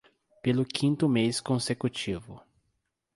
Pelo quinto mês consecutivo